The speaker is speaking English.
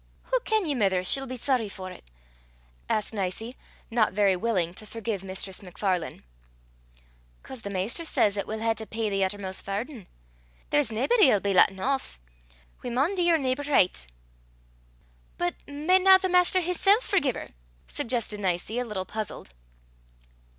"Hoo ken ye, mither, she'll be soary for 't?" asked Nicie, not very willing to forgive Mistress MacFarlane. "'Cause the Maister says 'at we'll hae to pey the uttermost fardin'. There's naebody 'ill be latten aff. We maun dee oor neeper richt." "But michtna the Maister himsel' forgie her?" suggested Nicie, a little puzzled.